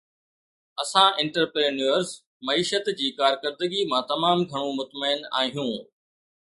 اسان انٽرپرينيوئرز معيشت جي ڪارڪردگي مان تمام گهڻو مطمئن آهيون